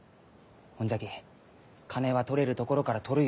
ほんじゃき金は取れるところから取るゆうことも。